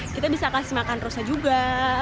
kita bisa kasih makan rusa juga